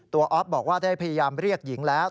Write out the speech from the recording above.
ออฟบอกว่าได้พยายามเรียกหญิงแล้ว